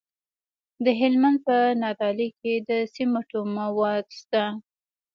د هلمند په نادعلي کې د سمنټو مواد شته.